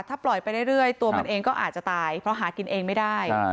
ถ้าปล่อยไปเรื่อยตัวมันเองก็อาจจะตายเพราะหากินเองไม่ได้